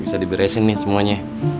bisa diberesin nih semuanya